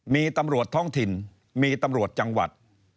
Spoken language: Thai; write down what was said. มีตำรวจท้องถิ่นมีตำรวจจังหวัด